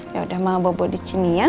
ya udah mau bawa bawa disini ya